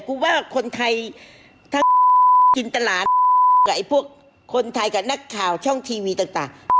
กูว่าคนไทยทั้งกินตลาดกับไอ้พวกคนไทยกับนักข่าวช่องทีวีต่าง